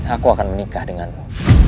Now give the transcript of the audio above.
aku akan menikah denganmu